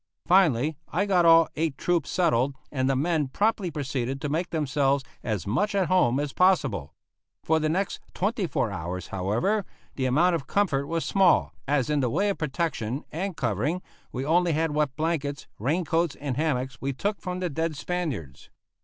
Finally, I got all eight troops settled, and the men promptly proceeded to make themselves as much at home as possible. For the next twenty four hours, however, the amount of comfort was small, as in the way of protection and covering we only had what blankets, rain coats, and hammocks we took from the dead Spaniards.